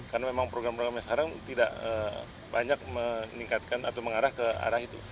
karena memang program programnya sekarang tidak banyak meningkatkan atau mengarah ke arah itu